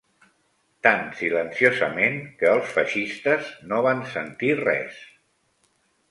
Tan silenciosament que els feixistes no van sentir res